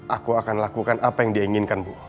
aku akan lakukan apa yang dia inginkan bu